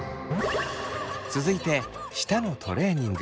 続いて舌のトレーニング。